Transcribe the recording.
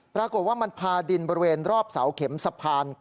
ปรากฏว่ามันพาดินบริเวณรอบเสาเข็มสะพาน